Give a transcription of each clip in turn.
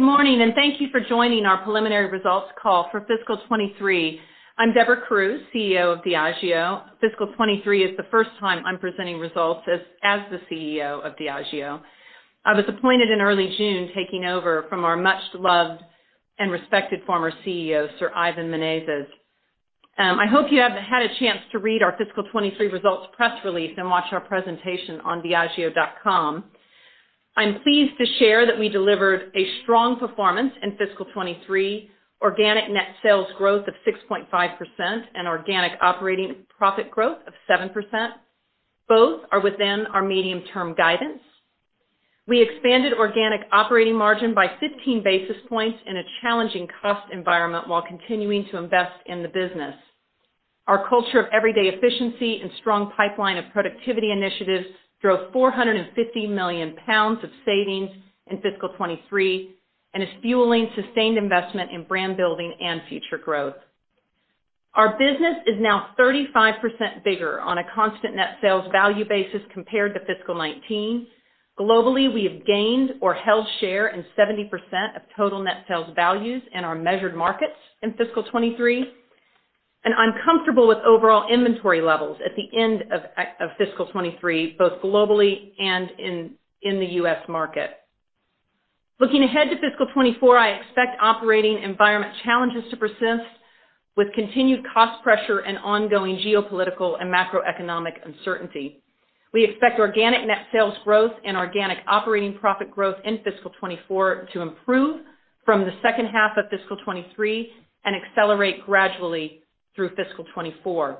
Good morning, thank you for joining our preliminary results call for fiscal 2023. I'm Debra Crew, CEO of Diageo. Fiscal 2023 is the first time I'm presenting results as the CEO of Diageo. I was appointed in early June, taking over from our much loved and respected former CEO, Sir Ivan Menezes. I hope you have had a chance to read our fiscal 2023 results press release and watch our presentation on diageo.com. I'm pleased to share that we delivered a strong performance in fiscal 2023, organic net sales growth of 6.5% and organic operating profit growth of 7%. Both are within our medium-term guidance. We expanded organic operating margin by 15 basis points in a challenging cost environment while continuing to invest in the business. Our culture of everyday efficiency and strong pipeline of productivity initiatives drove 450 million pounds of savings in fiscal 2023, is fueling sustained investment in brand building and future growth. Our business is now 35% bigger on a constant net sales value basis compared to fiscal 2019. Globally, we have gained or held share in 70% of total net sales values in our measured markets in fiscal 2023, I'm comfortable with overall inventory levels at the end of fiscal 2023, both globally and in the U.S. market. Looking ahead to fiscal 2024, I expect operating environment challenges to persist with continued cost pressure and ongoing geopolitical and macroeconomic uncertainty. We expect organic net sales growth and organic operating profit growth in fiscal 2024 to improve from the second half of fiscal 2023 accelerate gradually through fiscal 2024.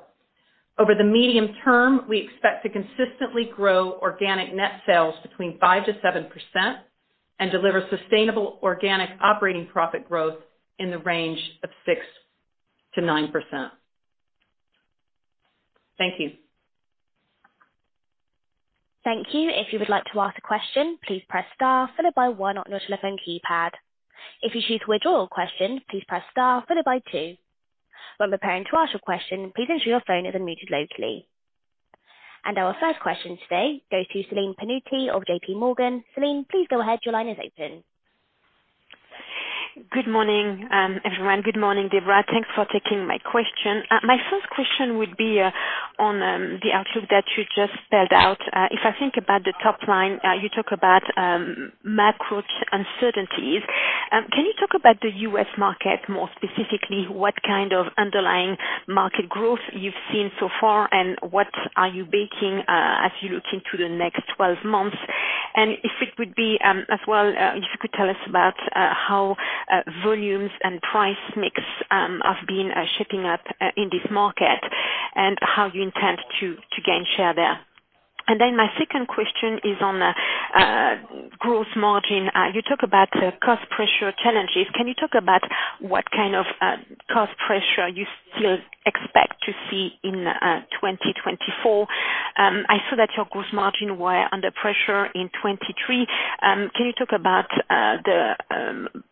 Over the medium term, we expect to consistently grow organic net sales between 5%-7% and deliver sustainable organic operating profit growth in the range of 6%-9%. Thank you. Thank you. If you would like to ask a question, please press star followed by 1 on your telephone keypad. If you choose to withdraw a question, please press star followed by 2. When preparing to ask your question, please ensure your phone is unmuted locally. Our first question today goes to Celine Pannuti of J.P. Morgan. Celine, please go ahead. Your line is open. Good morning, everyone. Good morning, Debra. Thanks for taking my question. My first question would be on the outlook that you just spelled out. If I think about the top line, you talk about macro uncertainties. Can you talk about the U.S. market more specifically, what kind of underlying market growth you've seen so far, and what are you baking as you look into the next 12 months? If it would be as well, if you could tell us about how volumes and price mix have been shaping up in this market and how you intend to gain share there. My second question is on the gross margin. You talk about cost pressure challenges. Can you talk about what kind of cost pressure you still expect to see in 2024? I saw that your gross margin were under pressure in 2023. Can you talk about the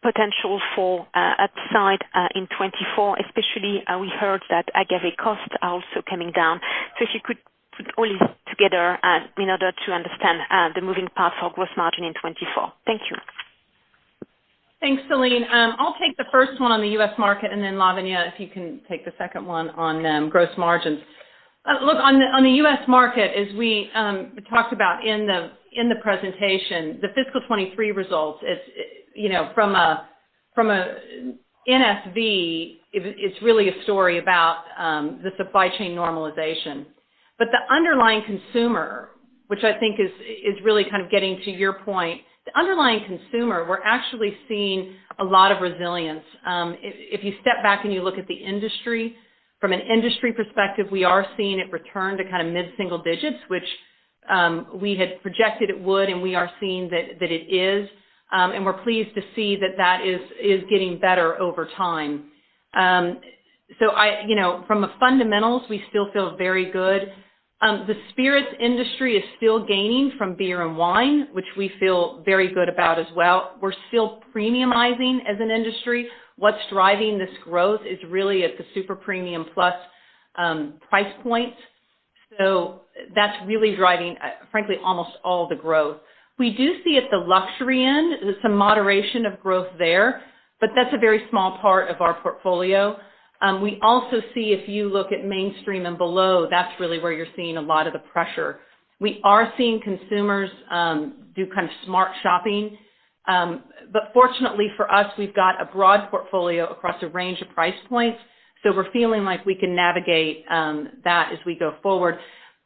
potential for upside in 2024, especially we heard that agave costs are also coming down. If you could put all this together in order to understand the moving parts for gross margin in 2024. Thank you. Thanks, Celine. I'll take the first one on the U.S. market, then Lavanya, if you can take the second one on gross margins. Look, on the U.S. market, as we talked about in the presentation, the fiscal 2023 results, it's, you know, from a NSV, it's really a story about the supply chain normalization. The underlying consumer, which I think is, is really kind of getting to your point, the underlying consumer, we're actually seeing a lot of resilience. If, if you step back and you look at the industry, from an industry perspective, we are seeing it return to kind of mid-single digits, which we had projected it would, and we are seeing that, that it is. We're pleased to see that that is, is getting better over time. You know, from a fundamentals, we still feel very good. The spirits industry is still gaining from beer and wine, which we feel very good about as well. We're still premiumizing as an industry. What's driving this growth is really at the super premium plus price point. That's really driving, frankly, almost all the growth. We do see at the luxury end, some moderation of growth there, but that's a very small part of our portfolio. We also see, if you look at mainstream and below, that's really where you're seeing a lot of the pressure. We are seeing consumers do kind of smart shopping. Fortunately for us, we've got a broad portfolio across a range of price points. We're feeling like we can navigate that as we go forward.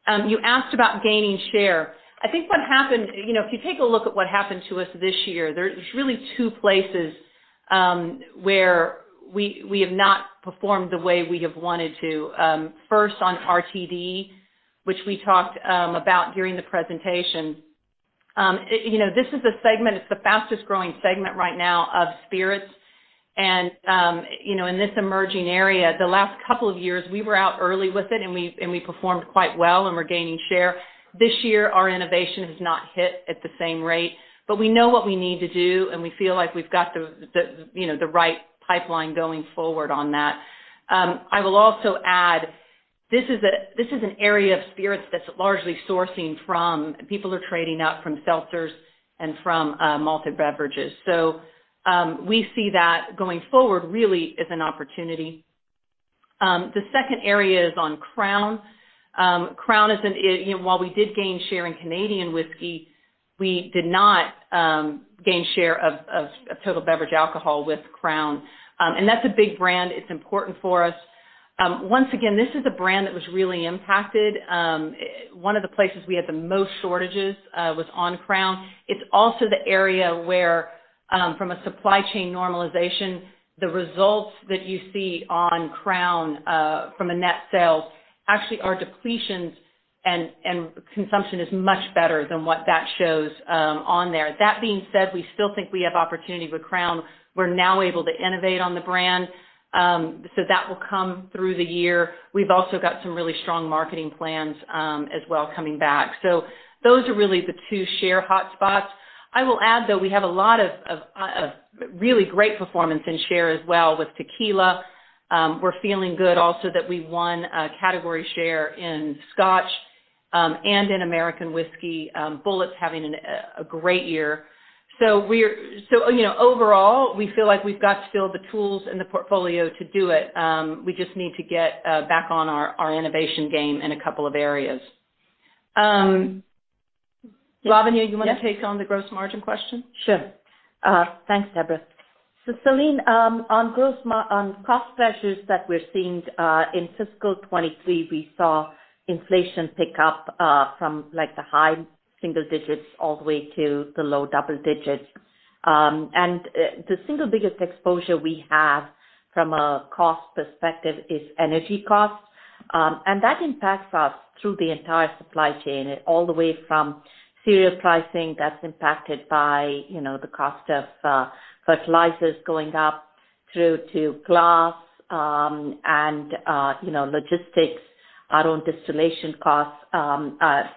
You asked about gaining share. I think what happened, you know, if you take a look at what happened to us this year, there's really two places where we, we have not performed the way we have wanted to. First on RTD, which we talked about during the presentation. You know, this is a segment, it's the fastest growing segment right now of spirits. You know, in this emerging area, the last couple of years, we were out early with it, and we, and we performed quite well, and we're gaining share. This year, our innovation has not hit at the same rate, but we know what we need to do, and we feel like we've got the, the, you know, the right pipeline going forward on that. I will also add... This is an area of spirits that's largely sourcing from, people are trading up from seltzers and from malted beverages. We see that going forward really as an opportunity. The second area is on Crown. Crown is, you know, while we did gain share in Canadian whisky, we did not gain share of total beverage alcohol with Crown. That's a big brand. It's important for us. Once again, this is a brand that was really impacted. One of the places we had the most shortages was on Crown. It's also the area where from a supply chain normalization, the results that you see on Crown from a net sales, actually, our depletions and consumption is much better than what that shows on there. That being said, we still think we have opportunity with Crown. We're now able to innovate on the brand, so that will come through the year. We've also got some really strong marketing plans as well, coming back. Those are really the two share hotspots. I will add, though, we have a lot of, of really great performance in share as well with tequila. We're feeling good also that we won category share in Scotch and in American Whiskey. Bulleit's having a great year. you know, overall, we feel like we've got still the tools in the portfolio to do it. We just need to get back on our, our innovation game in a couple of areas. Lavanya- Yes. You wanna take on the gross margin question? Sure. Thanks, Debra. Celine, on cost pressures that we're seeing in fiscal 2023, we saw inflation pick up from, like, the high single digits all the way to the low double digits. The single biggest exposure we have from a cost perspective is energy costs. That impacts us through the entire supply chain, all the way from cereal pricing that's impacted by, you know, the cost of fertilizers going up, through to glass, and, you know, logistics. Our own distillation costs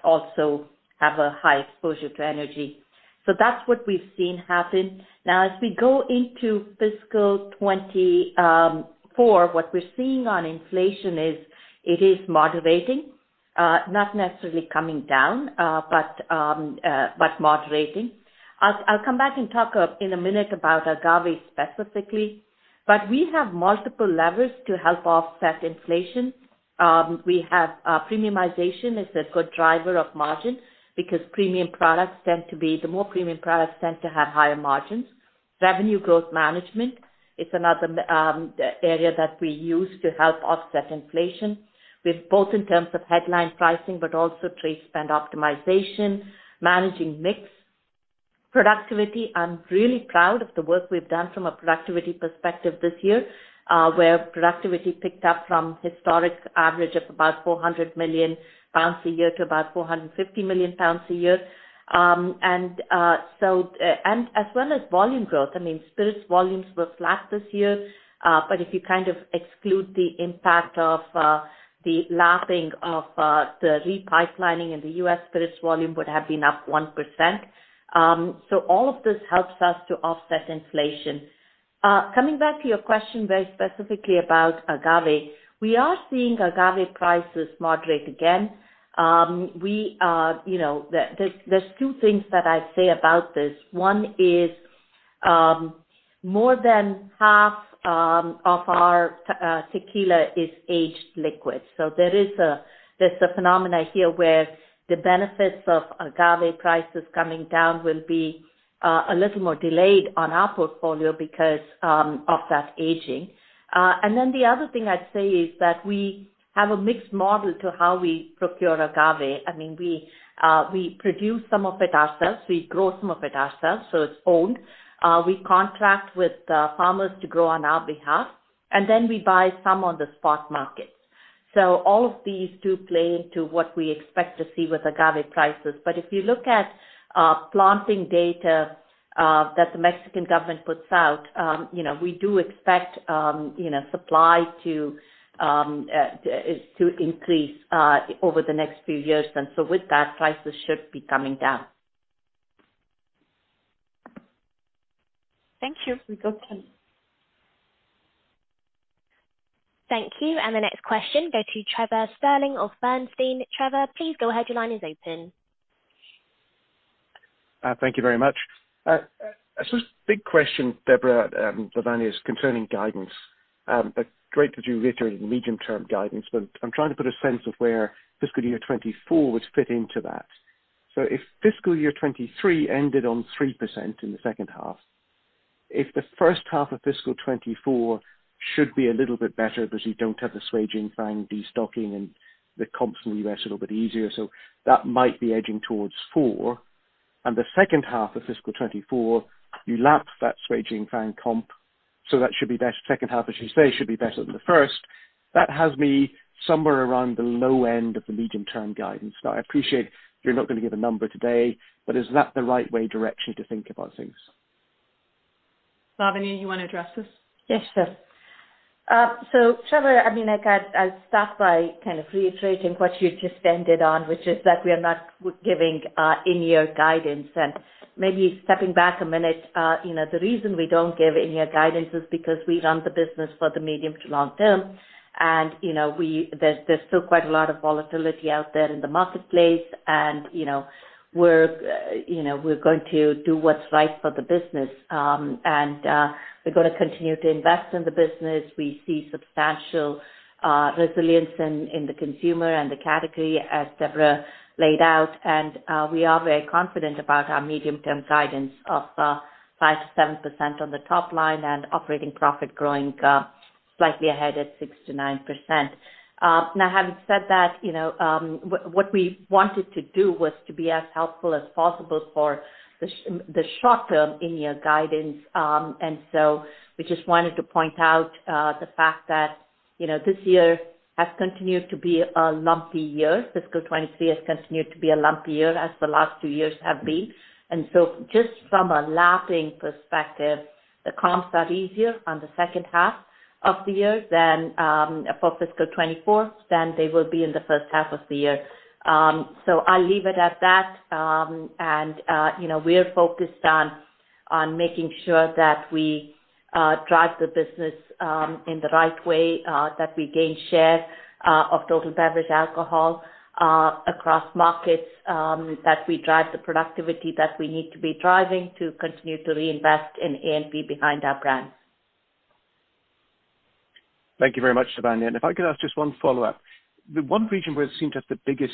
also have a high exposure to energy. That's what we've seen happen. Now, as we go into fiscal 2024, what we're seeing on inflation is, it is moderating, not necessarily coming down, but moderating. I'll, I'll come back and talk in a minute about agave specifically, but we have multiple levers to help offset inflation. We have premiumization is a good driver of margin because premium products tend to be. The more premium products tend to have higher margins. Revenue Growth Management is another area that we use to help offset inflation, with both in terms of headline pricing, but also trade spend optimization, managing mix. Productivity. I'm really proud of the work we've done from a productivity perspective this year, where productivity picked up from historic average of about 400 million pounds a year to about 450 million pounds a year. As well as volume growth, I mean, spirits volumes were flat this year, but if you kind of exclude the impact of the lapping of the repipelines in the U.S., spirits volume would have been up 1%. All of this helps us to offset inflation. Coming back to your question very specifically about agave, we are seeing agave prices moderate again. We are, you know, there's two things that I'd say about this. One is, more than half of our tequila is aged liquid. There's a phenomenon here, where the benefits of agave prices coming down will be a little more delayed on our portfolio because of that aging. The other thing I'd say is that we have a mixed model to how we procure agave. I mean, we produce some of it ourselves. We grow some of it ourselves, so it's owned. We contract with farmers to grow on our behalf, we buy some on the spot market. All of these do play into what we expect to see with agave prices. If you look at planting data that the Mexican government puts out, you know, we do expect, you know, supply to increase over the next few years. With that, prices should be coming down. Thank you. We got time. Thank you. The next question go to Trevor Stirling of Bernstein. Trevor, please go ahead. Your line is open. Thank you very much. Big question, Debra, Lavanya, is concerning guidance. Great that you reiterated the medium-term guidance, but I'm trying to get a sense of where fiscal year 2024 would fit into that. If fiscal year 2023 ended on 3% in the second half, if the first half of fiscal 2024 should be a little bit better because you don't have the Baijiu, Fang destocking and the comps from the U.S. a little bit easier, so that might be edging towards 4%. The second half of fiscal 2024, you lapse that Shui Jing Fang comp, so that should be better. Second half, as you say, should be better than the first. That has me somewhere around the low end of the medium-term guidance. I appreciate you're not gonna give a number today. Is that the right way directly to think about things? Lavanya, you want to address this? Yes, sure. So Trevor, I mean, like, I, I'll start by kind of reiterating what you just ended on, which is that we are not giving in-year guidance. Maybe stepping back a minute, you know, the reason we don't give in-year guidance is because we run the business for the medium to long term, and, you know, there's, there's still quite a lot of volatility out there in the marketplace. You know, we're, you know, we're going to do what's right for the business. And we're gonna continue to invest in the business. We see substantial resilience in, in the consumer and the category, as Debra laid out, and we are very confident about our medium-term guidance of 5%-7% on the top line and operating profit growing slightly ahead at 6%-9%. Now, having said that, you know, what, what we wanted to do was to be as helpful as possible for the short term in-year guidance. We just wanted to point out, the fact that, you know, this year has continued to be a lumpy year. Fiscal 2023 has continued to be a lumpy year, as the last two years have been. Just from a lapping perspective, the comps are easier on the second half of the year than, for fiscal 2024, than they will be in the first half of the year. I'll leave it at that. You know, we are focused on, on making sure that we drive the business in the right way, that we gain share of total beverage alcohol across markets, that we drive the productivity that we need to be driving to continue to reinvest in A&P behind our brands. Thank you very much, Lavanya. If I could ask just one follow-up: The one region where it seemed to have the biggest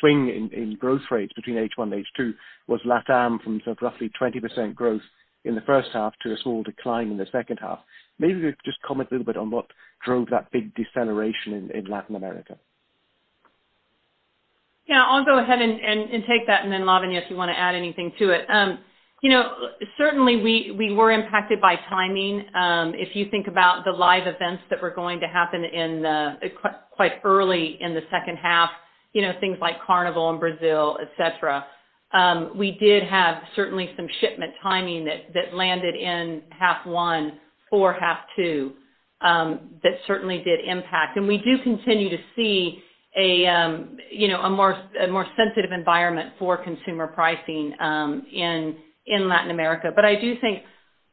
swing in growth rates between H1 and H2 was LATAM, from sort of roughly 20% growth in the first half to a small decline in the second half. Maybe just comment a little bit on what drove that big deceleration in Latin America. Yeah, I'll go ahead and, and, and take that, and then, Lavanya, if you wanna add anything to it. You know, certainly we, we were impacted by timing. If you think about the live events that were going to happen in the quite early in the second half, you know, things like Carnival in Brazil, et cetera, we did have certainly some shipment timing that, that landed in half one or half two, that certainly did impact. We do continue to see a, you know, a more, a more sensitive environment for consumer pricing, in Latin America. I do think.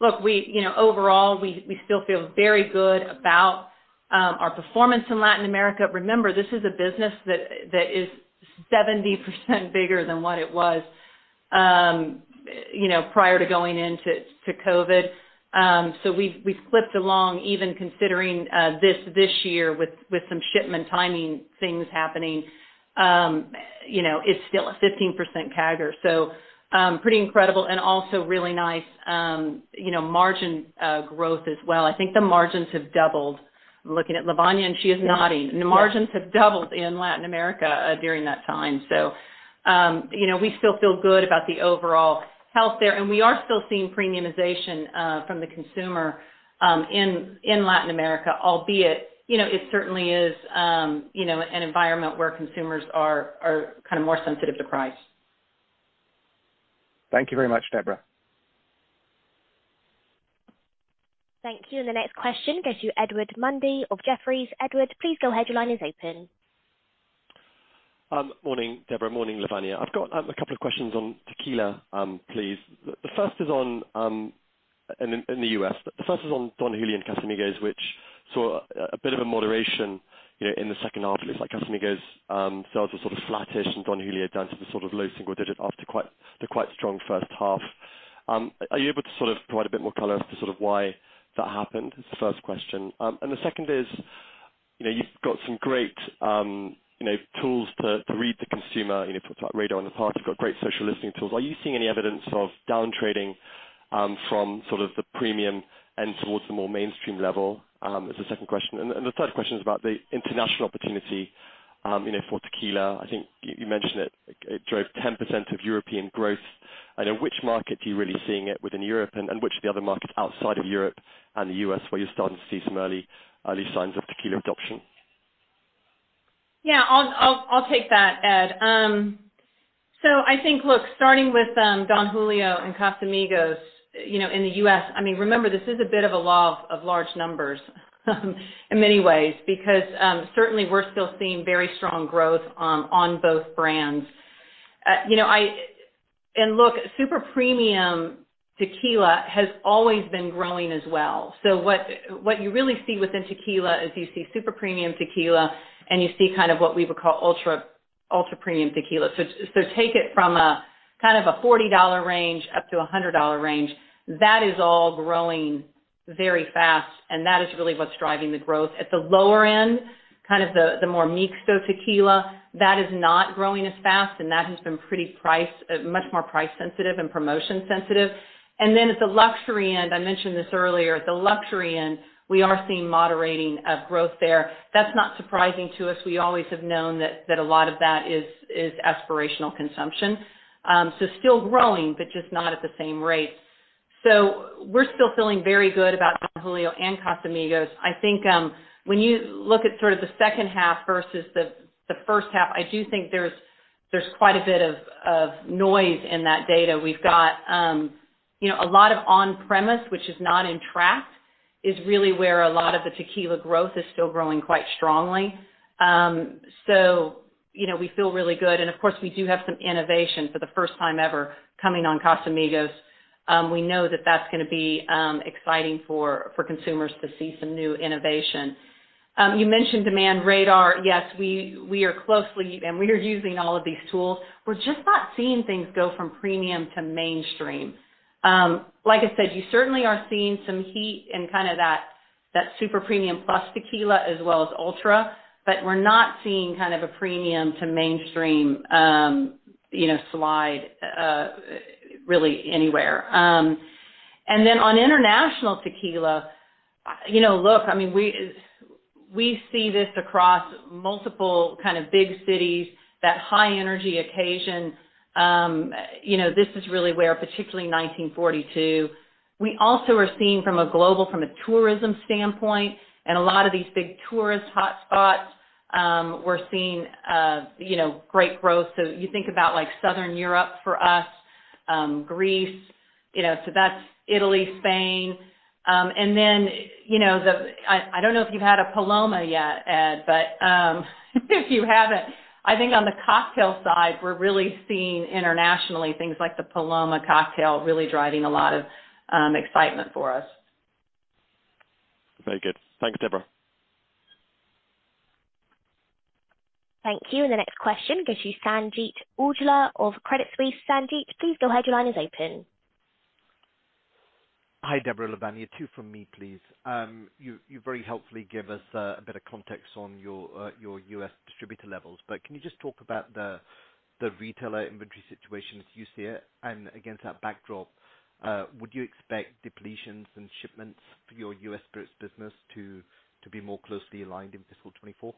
Look, we, you know, overall, we, we still feel very good about our performance in Latin America. Remember, this is a business that, that is 70% bigger than what it was, you know, prior to going into, to COVID. We've, we've clipped along, even considering, this, this year with, with some shipment timing things happening. You know, it's still a 15% CAGR. Pretty incredible and also really nice, you know, margin, growth as well. I think the margins have doubled. I'm looking at Lavanya, and she is nodding. Yeah. The margins have doubled in Latin America, during that time. You know, we still feel good about the overall health there, we are still seeing premiumization, from the consumer, in, in Latin America, albeit, you know, it certainly is, you know, an environment where consumers are, are kind of more sensitive to price. Thank you very much, Debra. Thank you. The next question goes to Edward Mundy of Jefferies. Edward, please go ahead. Your line is open. Morning, Debra. Morning, Lavanya. I've got a couple of questions on tequila, please. The first is on, in the U.S. The first is on Don Julio and Casamigos, which saw a bit of a moderation, you know, in the second half. It looks like Casamigos sales were sort of flattish and Don Julio down to the sort of low single digit after quite the quite strong first half. Are you able to sort of provide a bit more color as to sort of why that happened? Is the first question. The second is, you know, you've got some great, you know, tools to read the consumer, you know, put Radar on the part. You've got great social listening tools. Are you seeing any evidence of down trading from sort of the premium and towards the more mainstream level? Is the second question. The third question is about the international opportunity, you know, for tequila. I think you mentioned it, it drove 10% of European growth. I know, which market are you really seeing it within Europe, and which are the other markets outside of Europe and the US, where you're starting to see some early, early signs of tequila adoption? Yeah, I'll, I'll, I'll take that, Ed. So I think, look, starting with Don Julio and Casamigos, you know, in the U.S., I mean, remember, this is a bit of a law of large numbers in many ways, because certainly we're still seeing very strong growth on both brands. You know, and look, super premium tequila has always been growing as well. What, what you really see within tequila is you see super premium tequila, and you see kind of what we would call ultra, ultra-premium tequila. Take it from a, kind of a $40 range up to a $100 range. That is all growing very fast, and that is really what's driving the growth. At the lower end, kind of the, the more mixto tequila, that is not growing as fast, and that has been pretty priced, much more price sensitive and promotion sensitive. Then at the luxury end, I mentioned this earlier, at the luxury end, we are seeing moderating of growth there. That's not surprising to us. We always have known that, that a lot of that is, is aspirational consumption. Still growing, but just not at the same rate. We're still feeling very good about Don Julio and Casamigos. I think, when you look at sort of the second half versus the, the first half, I do think there's quite a bit of, of noise in that data. We've got, you know, a lot of on-premise, which is not in track, is really where a lot of the tequila growth is still growing quite strongly. You know, we feel really good. Of course, we do have some innovation for the first time ever coming on Casamigos. We know that that's gonna be exciting for, for consumers to see some new innovation. You mentioned Demand Radar. Yes, we, we are closely, and we are using all of these tools. We're just not seeing things go from premium to mainstream. Like I said, you certainly are seeing some heat in kind of that, that super premium plus tequila as well as ultra, but we're not seeing kind of a premium to mainstream, you know, slide really anywhere. On international tequila, you know, look, I mean, we, we see this across multiple kind of big cities, that high energy occasion. You know, this is really where, particularly 1942, we also are seeing from a global, from a tourism standpoint, and a lot of these big tourist hot spots, we're seeing, you know, great growth. You think about like Southern Europe, for us, Greece, you know, that's Italy, Spain. You know, I, I don't know if you've had a Paloma yet, Ed, but, if you haven't, I think on the cocktail side, we're really seeing internationally, things like the Paloma cocktail, really driving a lot of excitement for us. Very good. Thanks, Debra. Thank you. The next question goes to Sanjeet Aujla of Credit Suisse. Sanjeet, please go ahead your line is open. Hi, Debra, Lavanya. Two from me, please. You, you very helpfully gave us a bit of context on your your U.S. distributor levels, but can you just talk about the the retailer inventory situation as you see it? Against that backdrop, would you expect depletions and shipments for your U.S. spirits business to, to be more closely aligned in fiscal 2024?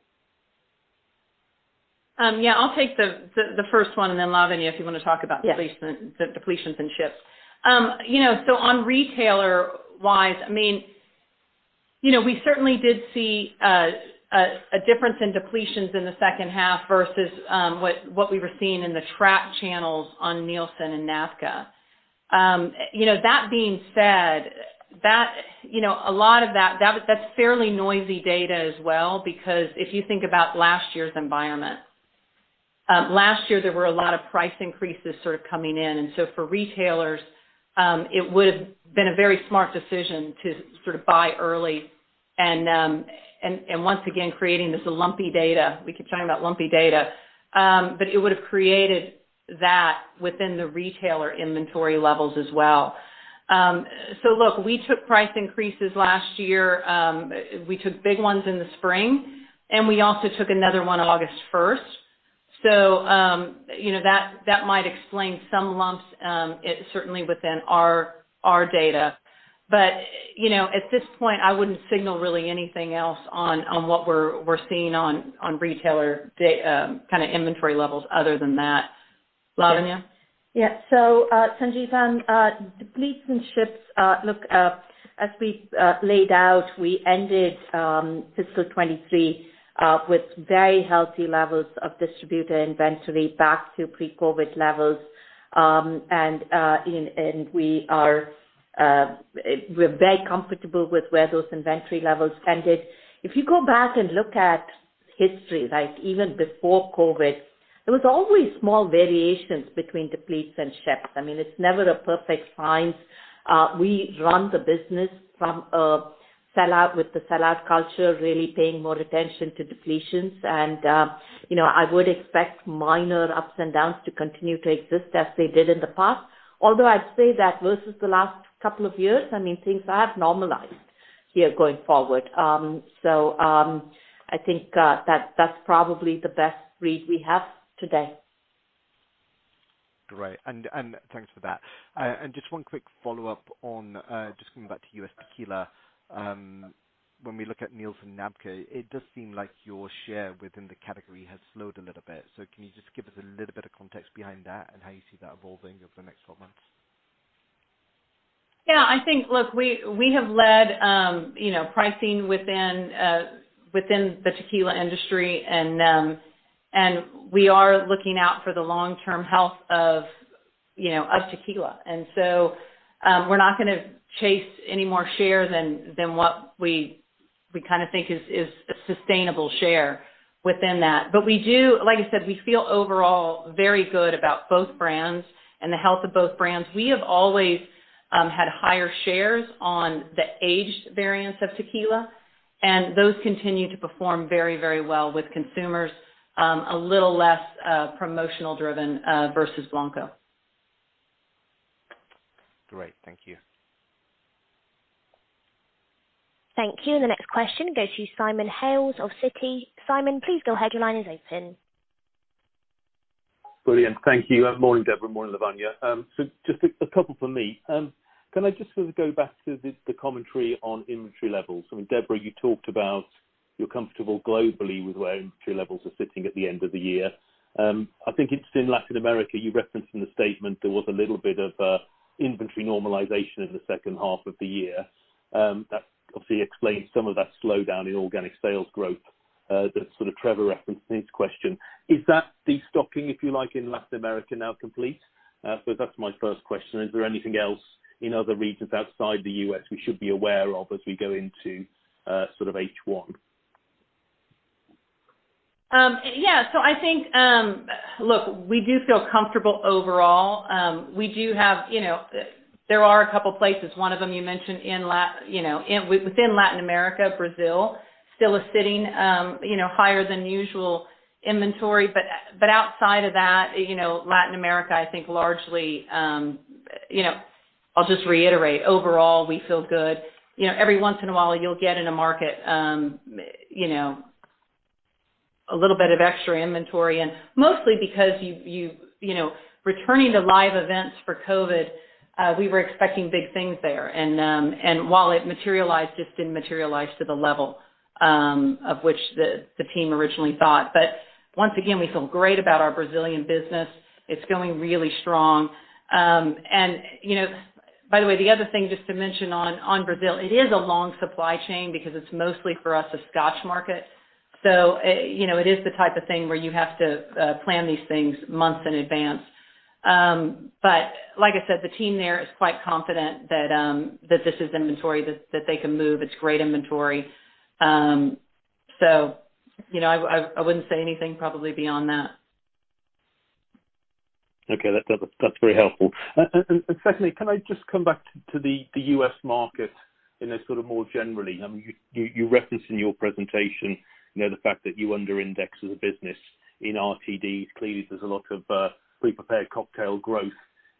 Yeah, I'll take the, the, the first one, and then, Lavanya, if you want to talk about- Yes. the depletions and ships. You know, on retailer-wise, I mean, you know, we certainly did see a difference in depletions in the second half versus what we were seeing in the track channels on NielsenIQ and NABCA. You know, that being said, that, you know, a lot of that, that's fairly noisy data as well, because if you think about last year's environment, last year, there were a lot of price increases sort of coming in. For retailers, it would have been a very smart decision to sort of buy early and, and once again, creating this lumpy data. We keep talking about lumpy data, it would have created that within the retailer inventory levels as well. Look, we took price increases last year. We took big ones in the spring, and we also took another one on August first. You know, that, that might explain some lumps, it certainly within our, our data. You know, at this point, I wouldn't signal really anything else on, on what we're, we're seeing on, on retailer kind of inventory levels other than that. Lavanya? Yeah. So, Sanjeet, depletions and ships, look, as we laid out, we ended fiscal 2023 with very healthy levels of distributor inventory back to pre-COVID levels. We are, we're very comfortable with where those inventory levels ended. If you go back and look at history, like even before COVID, there was always small variations between depletes and ships. I mean, it's never a perfect science. We run the business from a sell-out, with the sell-out culture, really paying more attention to depletions. You know, I would expect minor ups and downs to continue to exist as they did in the past. Although I'd say that versus the last couple of years, I mean, things have normalized here going forward. I think, that's, that's probably the best read we have today. Thanks for that. Just one quick follow-up on, just coming back to U.S. tequila. When we look at NielsenIQ and NABCA, it does seem like your share within the category has slowed a little bit. Can you just give us a little bit of context behind that and how you see that evolving over the next 12 months? Yeah, I think, look, we, we have led, you know, pricing within, within the tequila industry, we are looking out for the long-term health of, you know, of tequila. We're not gonna chase any more share than, than what we, we kind of think is, is a sustainable share within that. Like I said, we feel overall very good about both brands and the health of both brands. We have always had higher shares on the aged variants of tequila, those continue to perform very, very well with consumers, a little less promotional driven versus Blanco. Great. Thank you. Thank you. The next question goes to Simon Hales of Citi. Simon, please go ahead, your line is open. Brilliant. Thank you. Morning, Debra. Morning, Lavanya. Can I just sort of go back to the commentary on inventory levels? I mean, Debra, you talked about you're comfortable globally with where inventory levels are sitting at the end of the year. I think it's in Latin America, you referenced in the statement there was a little bit of inventory normalization in the second half of the year. That obviously explains some of that slowdown in organic sales growth. That sort of Trevor referenced in his question. Is that the stocking, if you like, in Latin America, now complete? That's my first question. Is there anything else in other regions outside the U.S. we should be aware of as we go into sort of H1? Yeah. I think, look, we do feel comfortable overall. We do have, you know, there are a couple places. One of them you mentioned, you know, in, within Latin America, Brazil, still is sitting, you know, higher than usual inventory. Outside of that, you know, Latin America, I think largely, you know, I'll just reiterate, overall, we feel good. You know, every once in a while, you'll get in a market, you know, a little bit of extra inventory, and mostly because you know, returning to live events for COVID, we were expecting big things there. While it materialized, just didn't materialize to the level of which the team originally thought. Once again, we feel great about our Brazilian business. It's going really strong. You know, by the way, the other thing, just to mention on, on Brazil, it is a long supply chain because it's mostly for us, a Scotch market. You know, it is the type of thing where you have to plan these things months in advance. Like I said, the team there is quite confident that this is inventory that they can move. It's great inventory. You know, I, I, I wouldn't say anything probably beyond that. Okay, that, that's very helpful. Secondly, can I just come back to, to the, the U.S. market in a sort of more generally? I mean, you, you referenced in your presentation, you know, the fact that you under index as a business in RTDs. Clearly, there's a lot of pre-prepared cocktail growth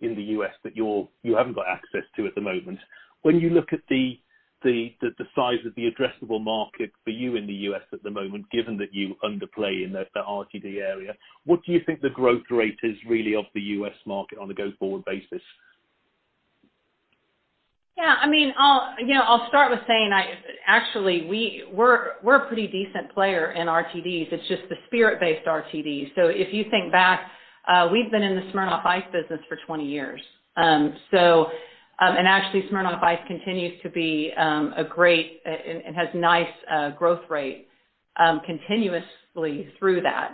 in the U.S. that you haven't got access to at the moment. When you look at the size of the addressable market for you in the U.S. at the moment, given that you underplay in the RTD area, what do you think the growth rate is really of the U.S. market on a go-forward basis? Yeah, I mean, I'll, you know, I'll start with saying, I actually, we, we're a pretty decent player in RTDs. It's just the spirit-based RTDs. If you think back, we've been in the Smirnoff Ice business for 20 years. And actually, Smirnoff Ice continues to be a great, and has nice, growth rate continuously through that.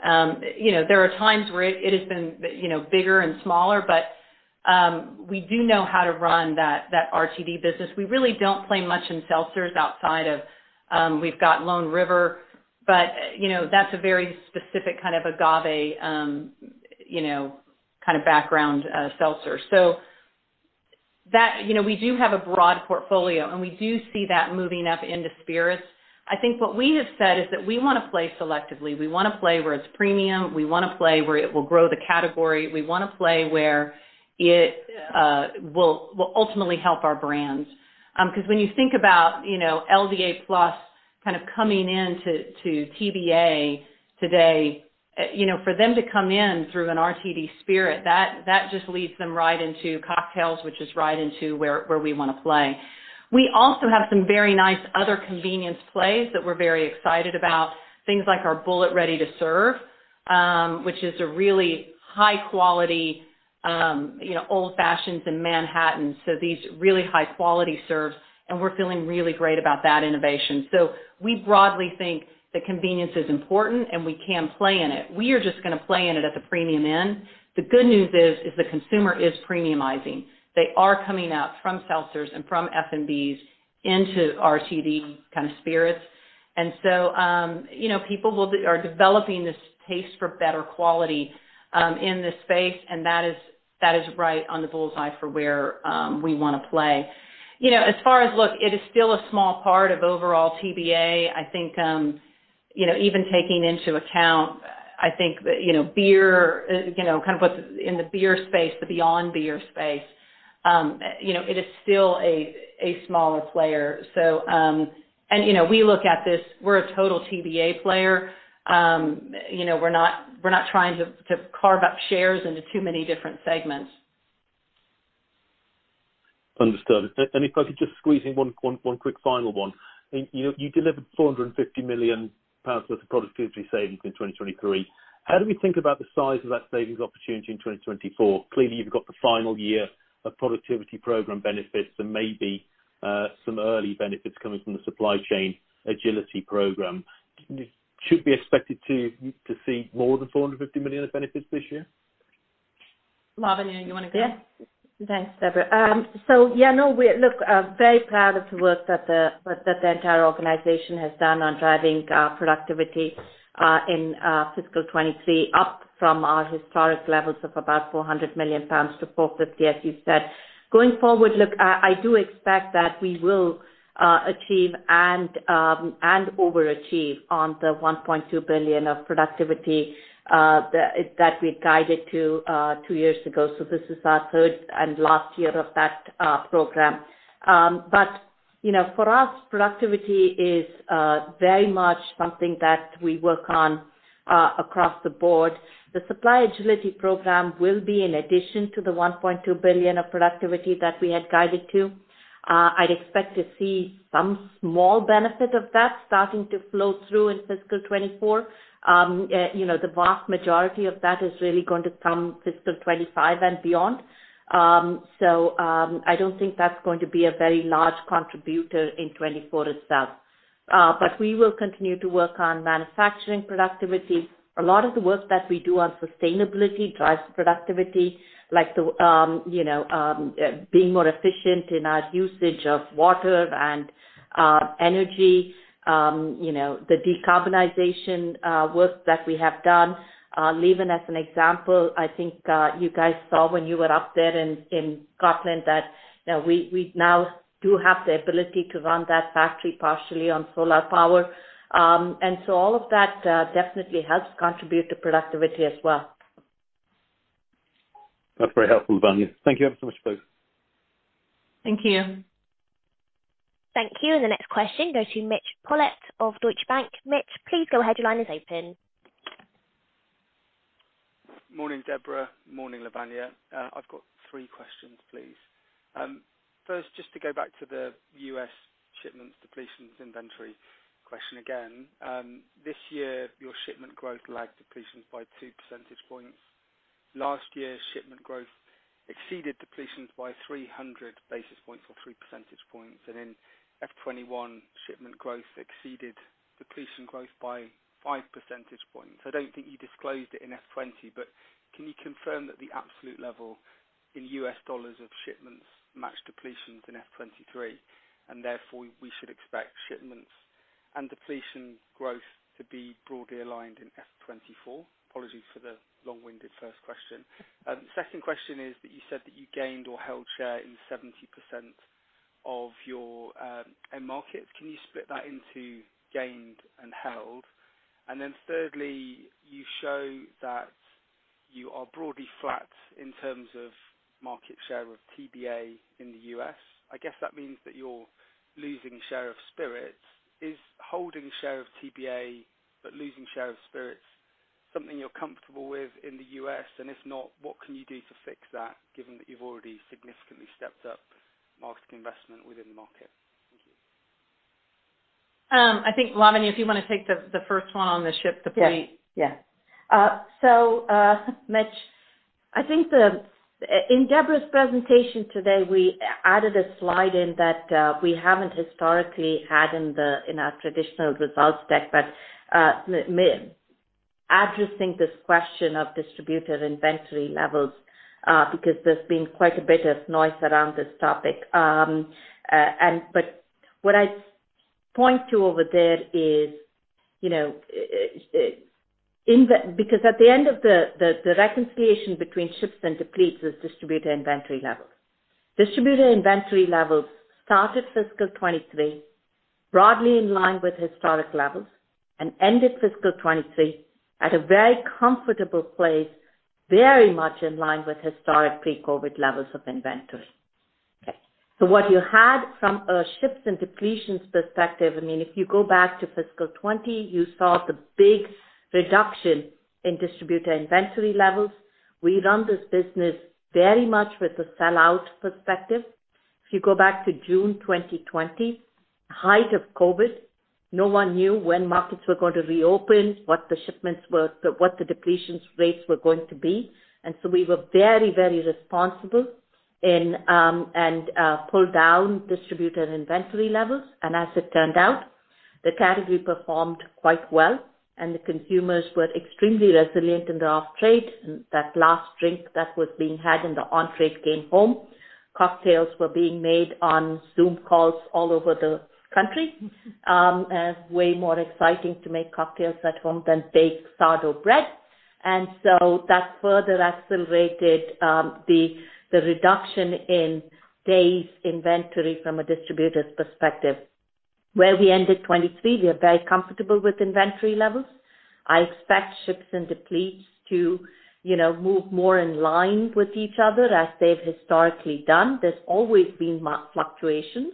You know, there are times where it has been, you know, bigger and smaller, but we do know how to run that, that RTD business. We really don't play much in seltzers outside of, we've got Lone River, but, you know, that's a very specific kind of agave, you know, kind of background seltzer. That. You know, we do have a broad portfolio, and we do see that moving up into spirits. I think what we have said is that we want to play selectively. We want to play where it's premium. We want to play where it will grow the category. We want to play where it will, will ultimately help our brands. When you think about, you know, LDA Plus kind of coming in to, to TBA today, you know, for them to come in through an RTD spirit, that, that just leads them right into cocktails, which is right into where, where we want to play. We also have some very nice other convenience plays that we're very excited about. Things like our Bulleit Ready to Serve, which is a really high quality, you know, Old Fashioneds in Manhattan. These really high quality serves, and we're feeling really great about that innovation. We broadly think that convenience is important, and we can play in it. We are just gonna play in it at the premium end. The good news is, is the consumer is premiumizing. They are coming out from seltzers and from FMBs into RTD kind of spirits. You know, people are developing this taste for better quality in this space, and that is, that is right on the bull's eye for where we wanna play. You know, as far as. Look, it is still a small part of overall TBA. I think, you know, even taking into account, I think that, you know, beer, you know, kind of what's in the beer space, the beyond beer space, you know, it is still a, a smaller player. You know, we look at this, we're a total TBA player. You know, we're not, we're not trying to, to carve up shares into too many different segments. Understood. If I could just squeeze in one quick final one. You delivered 450 million pounds worth of productivity savings in 2023. How do we think about the size of that savings opportunity in 2024? Clearly, you've got the final year of productivity program benefits and maybe some early benefits coming from the supply chain agility program. Should we expect to see more than 450 million of benefits this year? Lavanya, you want to go? Yeah. Thanks, Debra. Yeah, no, we're, look, very proud of the work that the, that the entire organization has done on driving productivity in fiscal 2023, up from our historic levels of about 400 million pounds to 450 million, as you said. Going forward, look, I do expect that we will achieve and overachieve on the 1.2 billion of productivity that, that we guided to two years ago. This is our third and last year of that program. You know, for us, productivity is very much something that we work on across the board. The supply agility program will be in addition to the 1.2 billion of productivity that we had guided to. I'd expect to see some small benefit of that starting to flow through in fiscal 2024. You know, the vast majority of that is really going to come fiscal 2025 and beyond. I don't think that's going to be a very large contributor in 2024 itself. We will continue to work on manufacturing productivity. A lot of the work that we do on sustainability drives productivity. Like the, you know, being more efficient in our usage of water and energy, you know, the decarbonization work that we have done. Leven as an example, I think, you guys saw when you were up there in Scotland, that, you know, we, we now do have the ability to run that factory partially on solar power. All of that, definitely helps contribute to productivity as well. That's very helpful, Lavanya. Thank you ever so much, please. Thank you. Thank you. The next question goes to Mitch Collett of Deutsche Bank. Mitch, please go ahead. Your line is open. Morning, Debra. Morning, Lavanya. I've got three questions, please. First, just to go back to the U.S. shipments depletions inventory question again. This year, your shipment growth lagged depletions by 2 percentage points. Last year, shipment growth exceeded depletions by 300 basis points or 3 percentage points, and in F21, shipment growth exceeded depletion growth by 5 percentage points. I don't think you disclosed it in F20, but can you confirm that the absolute level in U.S. dollars of shipments matched depletions in F23, and therefore we should expect shipments and depletion growth to be broadly aligned in F24? Apologies for the long-winded first question. Second question is that you said that you gained or held share in 70% of your end markets. Can you split that into gained and held? Then thirdly, you show that you are broadly flat in terms of market share of TBA in the U.S. I guess that means that you're losing share of spirits. Is holding share of TBA, but losing share of spirits, something you're comfortable with in the U.S.? If not, what can you do to fix that, given that you've already significantly stepped up market investment within the market? Thank you. I think, Lavanya, if you wanna take the, the first one on the ship, deplete. Yes. Yeah. Mitch, I think the in Debra's presentation today, we added a slide in that we haven't historically had in the, in our traditional results deck, but Mitch, addressing this question of distributor inventory levels, because there's been quite a bit of noise around this topic. What I point to over there is, you know, in the, because at the end of the reconciliation between ships and depletes is distributor inventory levels. Distributor inventory levels started fiscal 2023, broadly in line with historic levels and ended fiscal 2023 at a very comfortable place, very much in line with historic pre-COVID levels of inventory. Okay, so what you had from a ships and depletions perspective, I mean, if you go back to fiscal 2020, you saw the big reduction in distributor inventory levels. We run this business very much with a sellout perspective. If you go back to June 2020, height of COVID, no one knew when markets were going to reopen, what the shipments were, what the depletions rates were going to be. we were very, very responsible in and pulled down distributor inventory levels. as it turned out, the category performed quite well, and the consumers were extremely resilient in the off trade. That last drink that was being had in the on trade came home. Cocktails were being made on Zoom calls all over the country. way more exciting to make cocktails at home than bake sourdough bread. So that further accelerated, the, the reduction in days' inventory from a distributor's perspective. Where we ended 23, we are very comfortable with inventory levels. I expect ships and depletes to, you know, move more in line with each other, as they've historically done. There's always been minor fluctuations.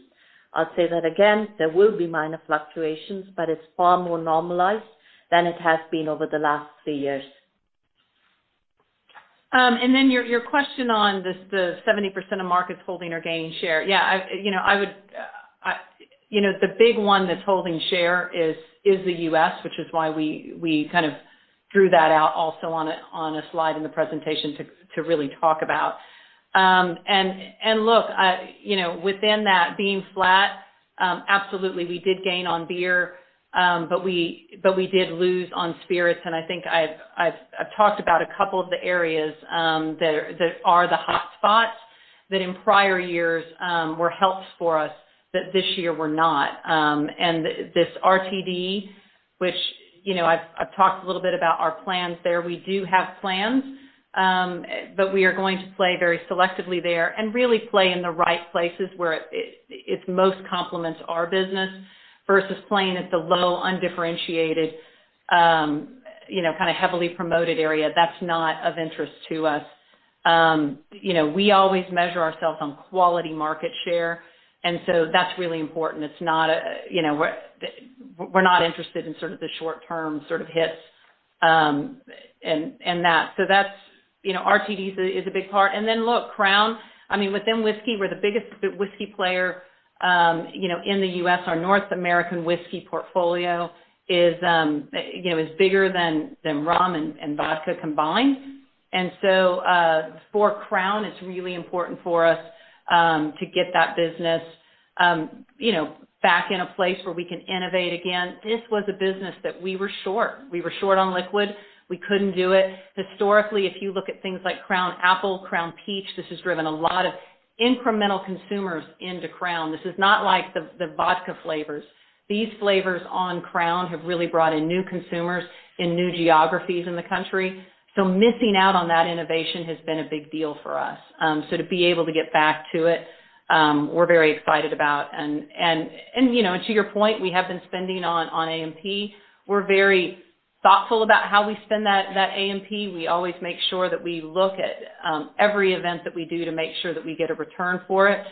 I'll say that again, there will be minor fluctuations, but it's far more normalized than it has been over the last three years. Then your, your question on this, the 70% of markets holding or gaining share. Yeah, I, you know, I would. You know, the big one that's holding share is, is the U.S., which is why we kind of drew that out also on a slide in the presentation to really talk about. Look, you know, within that being flat, absolutely, we did gain on beer, but we did lose on spirits. I think I've talked about a couple of the areas that are the hot spots that in prior years were helps for us, that this year were not. This RTD, which, you know, I've talked a little bit about our plans there. We do have plans, but we are going to play very selectively there and really play in the right places where it, it, it most complements our business versus playing at the low, undifferentiated, you know, kind of heavily promoted area. That's not of interest to us. You know, we always measure ourselves on quality market share, and so that's really important. It's not, you know, we're, we're not interested in sort of the short-term sort of hits, and, and that. That's, you know, RTD is a, is a big part. Look, Crown, I mean, within whiskey, we're the biggest whiskey player, you know, in the U.S. Our North American whiskey portfolio is, you know, is bigger than, than rum and, and vodka combined. For Crown, it's really important for us to get that business. You know, back in a place where we can innovate again. This was a business that we were short. We were short on liquid. We couldn't do it. Historically, if you look at things like Crown Apple, Crown Peach, this has driven a lot of incremental consumers into Crown. This is not like the vodka flavors. These flavors on Crown have really brought in new consumers in new geographies in the country. Missing out on that innovation has been a big deal for us. So to be able to get back to it, we're very excited about. You know, to your point, we have been spending on, on A&P. We're very thoughtful about how we spend that, that A&P. We always make sure that we look at, every event that we do to make sure that we get a return for it.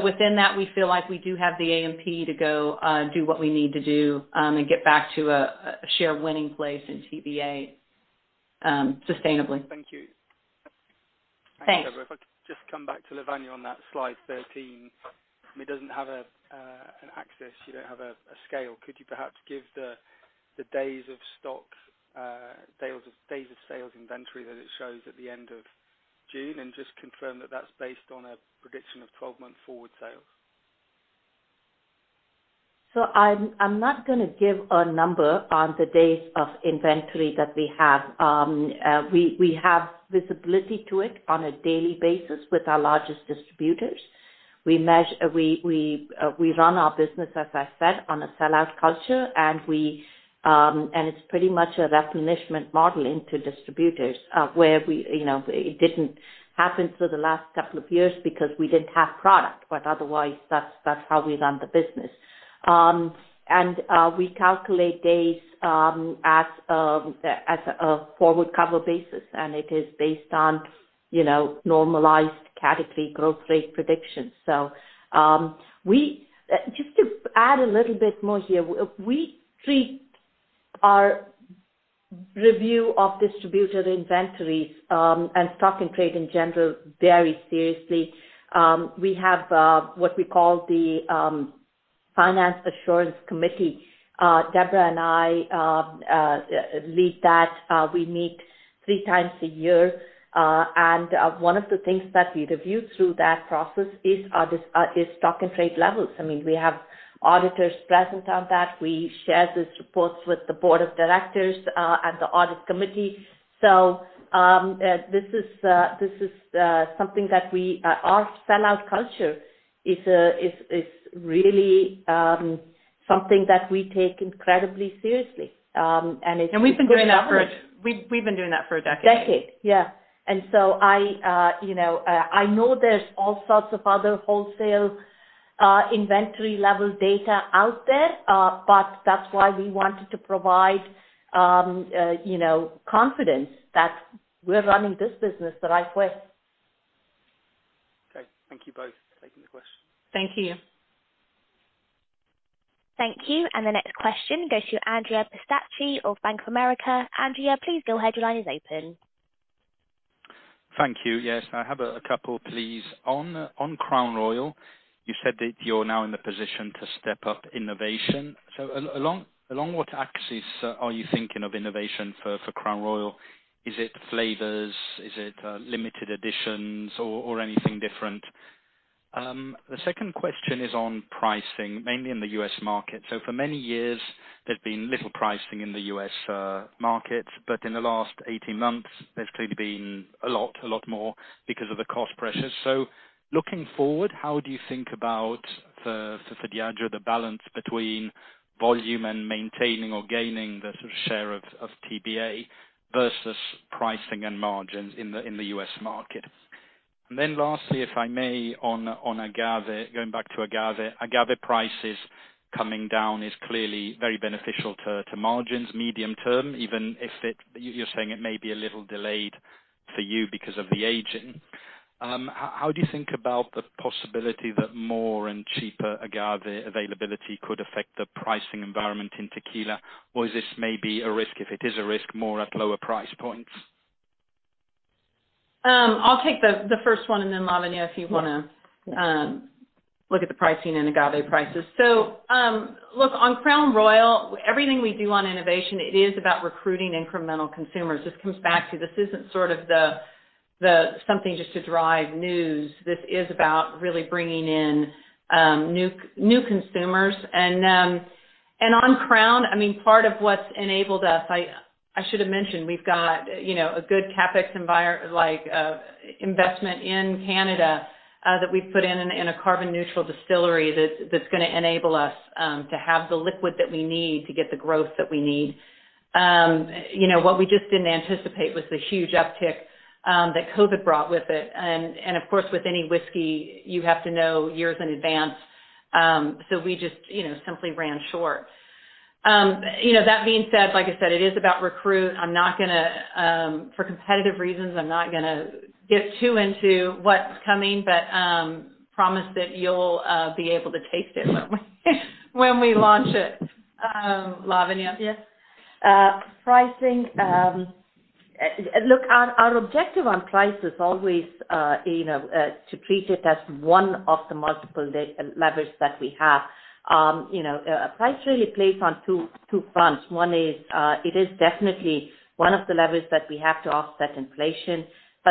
Within that, we feel like we do have the A&P to go, do what we need to do, and get back to a, a share winning place in TBA, sustainably. Thank you. Thanks. If I could just come back to Lavanya on that slide 13. It doesn't have an axis, you don't have a scale. Could you perhaps give the days of stock, days of, days of sales inventory that it shows at the end of June? Just confirm that that's based on a prediction of 12-month forward sales. I'm, I'm not gonna give a number on the days of inventory that we have. We have visibility to it on a daily basis with our largest distributors. We, we run our business, as I said, on a sellout culture, and we, and it's pretty much a replenishment model into distributors, where we, you know, it didn't happen for the last couple of years because we didn't have product, but otherwise, that's, that's how we run the business. We calculate days as a forward cover basis, and it is based on, you know, normalized category growth rate predictions. Just to add a little bit more here, we treat our review of distributor inventories, and stock and trade in general very seriously. We have what we call the Filings Assurance Committee. Debra and I lead that. We meet three times a year, and one of the things that we review through that process is stock and trade levels. I mean, we have auditors present on that. We share the reports with the board of directors and the audit committee. This is something that we, our sellout culture is really something that we take incredibly seriously, and it's. We've been doing that for, we've been doing that for a decade. Decade. Yeah. So I, you know, I know there's all sorts of other wholesale, inventory level data out there, but that's why we wanted to provide, you know, confidence that we're running this business the right way. Okay. Thank you both for taking the question. Thank you. Thank you. The next question goes to Andrea Pistacchi of Bank of America. Andrea, please go ahead your line is open. Thank you. Yes, I have a couple, please. On Crown Royal, you said that you're now in the position to step up innovation. Along what axis are you thinking of innovation for Crown Royal? Is it flavors? Is it limited editions or anything different? The second question is on pricing, mainly in the U.S. market. For many years, there's been little pricing in the U.S. market, but in the last 18 months, there's clearly been a lot more because of the cost pressures. Looking forward, how do you think about the balance between volume and maintaining or gaining the sort of share of TBA versus pricing and margins in the U.S. market? Lastly, if I may, on agave, going back to agave. Agave prices coming down is clearly very beneficial to, to margins medium term, even if you're saying it may be a little delayed for you because of the aging. How, how do you think about the possibility that more and cheaper agave availability could affect the pricing environment in tequila? Is this maybe a risk, if it is a risk, more at lower price points? I'll take the, the first one, and then, Lavanya, if you wanna... Yeah... look at the pricing and agave prices. Look, on Crown Royal, everything we do on innovation, it is about recruiting incremental consumers. This comes back to, this isn't sort of the, the, something just to drive news. This is about really bringing in, new, new consumers. On Crown, I mean, part of what's enabled us, I, I should have mentioned, we've got, you know, a good CapEx like, investment in Canada, that we've put in, in a carbon neutral distillery, that's, that's gonna enable us, to have the liquid that we need to get the growth that we need. You know, what we just didn't anticipate was the huge uptick, that COVID brought with it. Of course, with any whiskey, you have to know years in advance. We just, you know, simply ran short. You know, that being said, like I said, it is about recruit. I'm not gonna, for competitive reasons, I'm not gonna get too into what's coming, but, promise that you'll be able to taste it when we, when we launch it. Lavanya? Pricing, look, our objective on price is always, you know, to treat it as one of the multiple leverage that we have. You know, price really plays on two fronts. One is, it is definitely one of the levers that we have to offset inflation.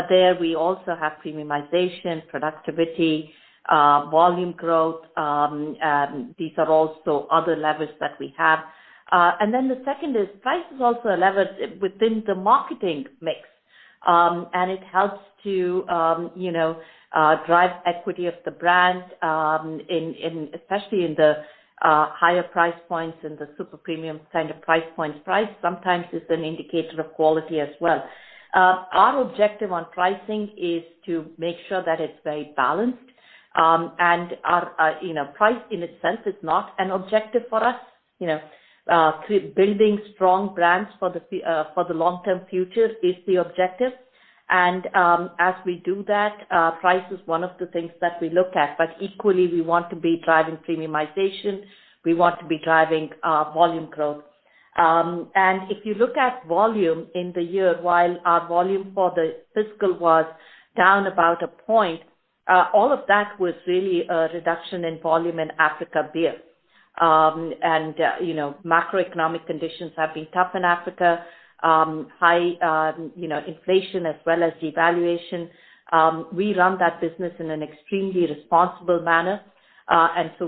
There we also have premiumization, productivity, volume growth, these are also other levers that we have. The second is price is also a lever within the marketing mix, and it helps to, you know, drive equity of the brand, in especially in the higher price points, in the super premium kind of price points. Price sometimes is an indicator of quality as well. Our objective on pricing is to make sure that it's very balanced, and our, you know, price in itself is not an objective for us. You know, building strong brands for the c- for the long-term future is the objective. As we do that, price is one of the things that we look at, but equally, we want to be driving premiumization, we want to be driving, volume growth. If you look at volume in the year, while our volume for the fiscal was down about a point, all of that was really a reduction in volume in Africa beer. You know, macroeconomic conditions have been tough in Africa, high, you know, inflation as well as devaluation. We run that business in an extremely responsible manner.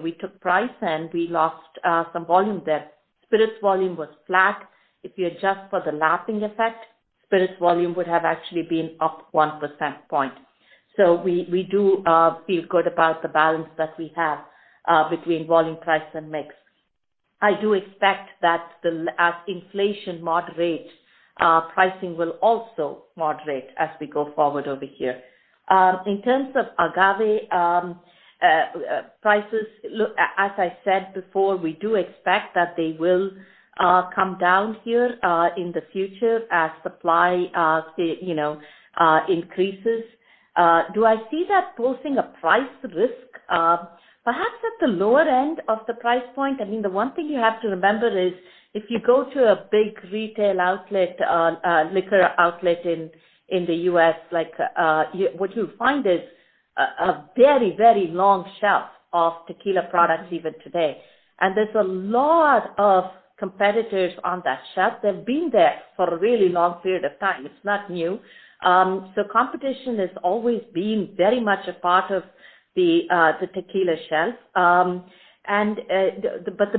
We took price, and we lost some volume there. Spirits volume was flat. If you adjust for the lapsing effect, spirits volume would have actually been up 1 percentage point. We, we do feel good about the balance that we have between volume, price, and mix. I do expect that the, as inflation moderates, pricing will also moderate as we go forward over here. In terms of agave prices, look, as I said before, we do expect that they will come down here in the future as supply, you know, increases. Do I see that posing a price risk? Perhaps at the lower end of the price point. I mean, the 1 thing you have to remember is, if you go to a big retail outlet, liquor outlet in, in the U.S., like, what you'll find is a very, very long shelf of tequila products even today. There's a lot of competitors on that shelf. They've been there for a really long period of time. It's not new. Competition has always been very much a part of the tequila shelf. The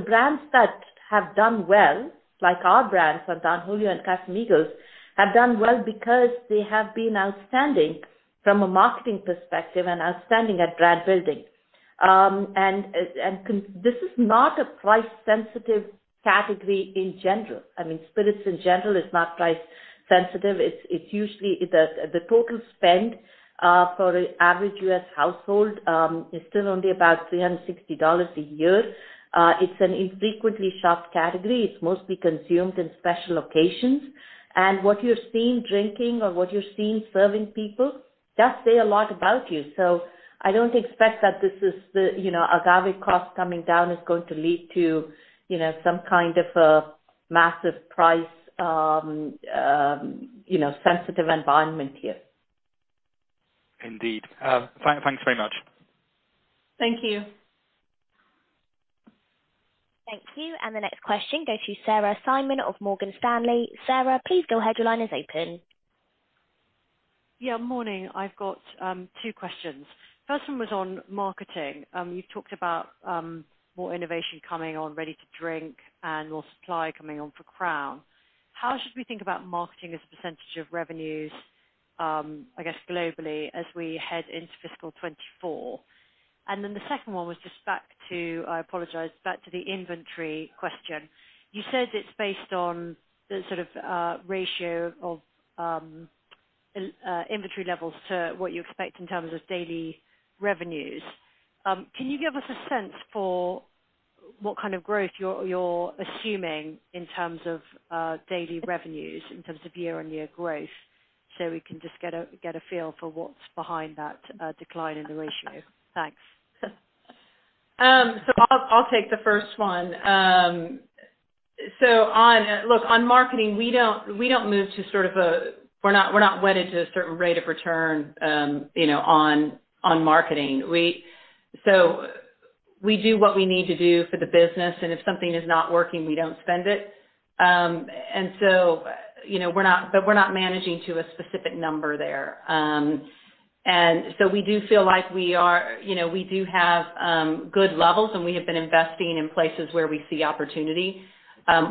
brands that have done well, like our brands, Don Julio and Casamigos, have done well because they have been outstanding from a marketing perspective and outstanding at brand building. This is not a price-sensitive category in general. I mean, spirits in general is not price sensitive. It's, it's usually, the, the total spend for an average U.S. household is still only about $360 a year. It's an infrequently shopped category. It's mostly consumed in special occasions. What you're seeing drinking or what you're seeing serving people, does say a lot about you. I don't expect that this is the, you know, agave cost coming down is going to lead to, you know, some kind of a massive price, you know, sensitive environment here. Indeed. Thanks very much. Thank you. Thank you. The next question goes to Sarah Simon of Morgan Stanley. Sarah, please go ahead. Your line is open. Yeah, morning. I've got two questions. First one was on marketing. You talked about more innovation coming on ready to drink and more supply coming on for Crown. How should we think about marketing as a % of revenues, I guess, globally, as we head into fiscal 2024? The second one was just back to, I apologize, back to the inventory question. You said it's based on the sort of ratio of inventory levels to what you expect in terms of daily revenues. Can you give us a sense for what kind of growth you're, you're assuming in terms of daily revenues, in terms of year-over-year growth, so we can just get a feel for what's behind that decline in the ratio? Thanks. I'll, I'll take the first one. On... Look, on marketing, we don't, we don't move to sort of a, we're not, we're not wedded to a certain rate of return, you know, on, on marketing. We, so we do what we need to do for the business, and if something is not working, we don't spend it. You know, we're not, but we're not managing to a specific number there. We do feel like we are, you know, we do have good levels, and we have been investing in places where we see opportunity.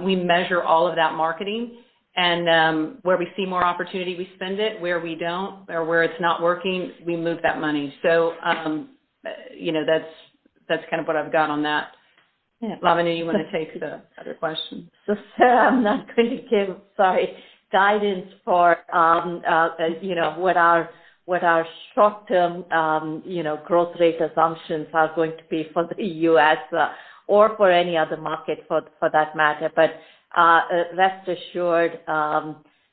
We measure all of that marketing and where we see more opportunity, we spend it. Where we don't, or where it's not working, we move that money. You know, that's, that's kind of what I've got on that. Lavanya, you want to take the other question? I'm not going to give, sorry, guidance for, you know, what our, what our short-term, you know, growth rate assumptions are going to be for the U.S., or for any other market for, for that matter. Rest assured,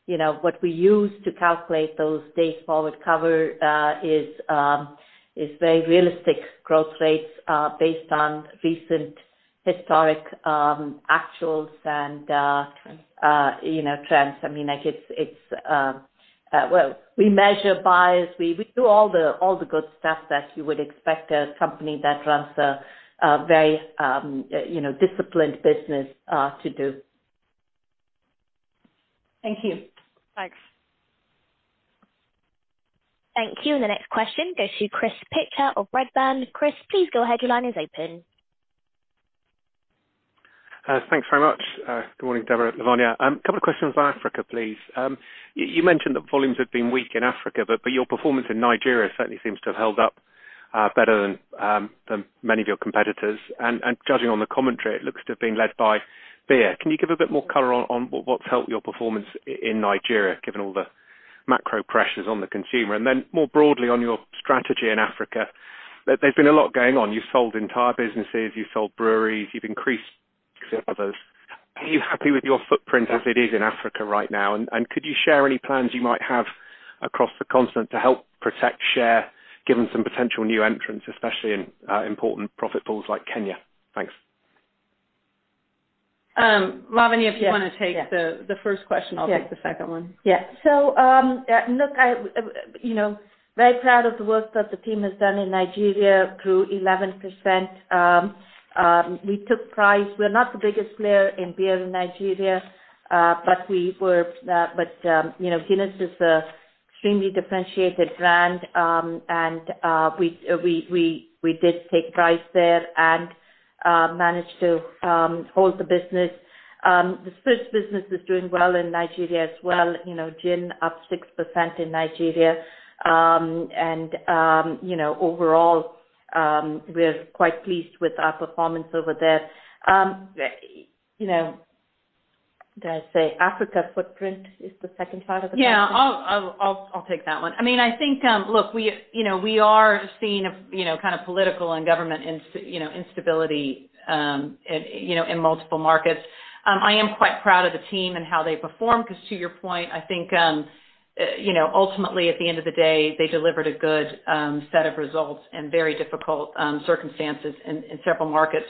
you know, what we use to calculate those days forward cover, is very realistic growth rates, based on recent historic, actuals and, you know, trends. I mean, like it's, it's, well, we measure buys, we, we do all the, all the good stuff that you would expect a company that runs a, a very, you know, disciplined business, to do. Thank you. Thanks. Thank you. The next question goes to Chris Pitcher of Rothschild & Co Redburn. Chris, please go ahead. Your line is open. Thanks very much. Good morning, Deborah, Lavanya. A couple of questions on Africa, please. You mentioned that volumes have been weak in Africa, but your performance in Nigeria certainly seems to have held up better than many of your competitors. Judging on the commentary, it looks to have been led by beer. Can you give a bit more color on what's helped your performance in Nigeria, given all the macro pressures on the consumer? More broadly, on your strategy in Africa, there's been a lot going on. You've sold entire businesses, you've sold breweries, you've increased others. Are you happy with your footprint as it is in Africa right now? Could you share any plans you might have across the continent to help protect share, given some potential new entrants, especially in important profit pools like Kenya? Thanks. Lavanya, if you want to take the first question, I'll take the second one. Yeah. Look, I, you know, very proud of the work that the team has done in Nigeria, grew 11%. We took price. We're not the biggest player in beer in Nigeria, but we were, but, you know, Guinness is a extremely differentiated brand. And we, we, we, we did take price there and managed to hold the business. The spirits business is doing well in Nigeria as well. You know, gin, up 6% in Nigeria. You know, overall, we're quite pleased with our performance over there. You know, did I say Africa footprint is the second part of the question? Yeah. I'll take that one. I mean, I think, look, we, you know, we are seeing, you know, kind of political and government instability, you know, in multiple markets. I am quite proud of the team and how they performed, because to your point, I think, you know, ultimately, at the end of the day, they delivered a good set of results in very difficult circumstances in several markets.